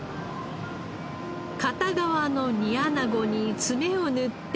片側の煮アナゴにツメを塗って。